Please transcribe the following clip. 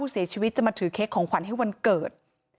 เสียชีวิตจะมาถือเค้กของขวัญให้วันเกิด